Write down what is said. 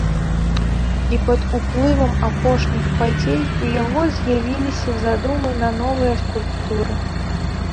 І пад уплывам апошніх падзей у яго з'явіліся задумы на новыя скульптуры.